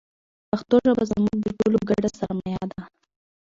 پښتو ژبه زموږ د ټولو ګډه سرمایه ده.